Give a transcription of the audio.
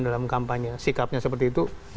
dalam kampanye sikapnya seperti itu